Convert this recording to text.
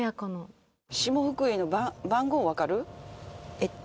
えっと。